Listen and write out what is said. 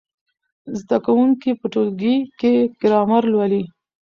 زده کوونکي په ټولګي کې ګرامر لولي.